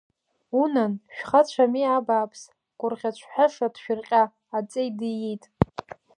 Унан, шәхацәами абааԥс, гәырӷьаҽҳәаша ҭшәырҟьа, аҵеи диит!